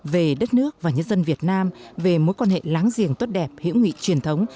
về đất nước và nhân dân việt nam về mối quan hệ láng giềng tốt đẹp hữu nghị truyền thống